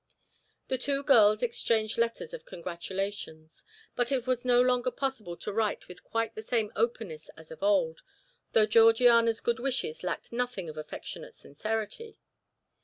The two girls exchanged letters of congratulations, but it was no longer possible to write with quite the same openness as of old, though Georgiana's good wishes lacked nothing of affectionate sincerity.